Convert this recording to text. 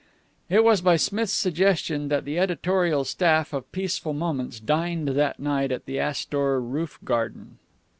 It was by Smith's suggestion that the editorial staff of Peaceful Moments dined that night at the Astor roof garden.